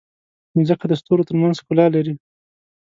مځکه د ستورو ترمنځ ښکلا لري.